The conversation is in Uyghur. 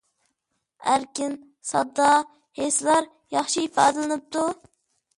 ئەركىن، ساددا ھېسلار ياخشى ئىپادىلىنىپتۇ!